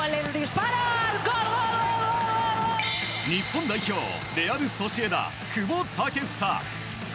日本代表、レアル・ソシエダ久保建英。